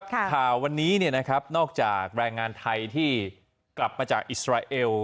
ค่ะค่ะวันนี้เนี่ยนะครับนอกจากแรงงานไทยที่กลับมาจากอิสราเอล